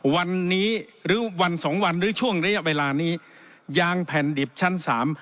วันนี้หรือวันสองวันหรือช่วงระยะเวลานี้ยางแผ่นดิบชั้นสาม